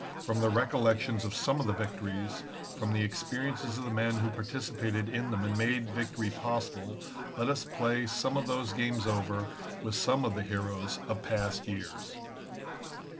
From the recollections of some of the victories, from the experiences of the men who participated in them and made victory possible, let us play some of those games over with some of the heroes of past years.